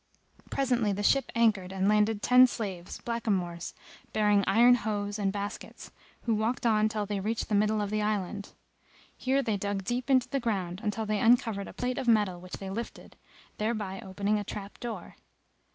Presently the ship anchored and landed ten slaves, blackamoors, bearing iron hoes and baskets, who walked on till they reached the middle of the island. Here they dug deep into the ground, until they uncovered a plate of metal which they lifted, thereby opening a trap door.